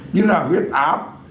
như là huyết áp